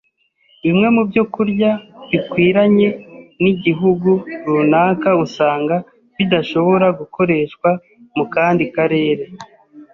Bimwe mu byokurya bikwiranye n’igihugu runaka usanga bidashobora gukoreshwa mu kandi karere.